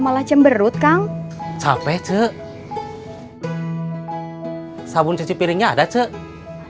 namun jadinya korhub ruinsay nih kalau digitame nya ga kebeli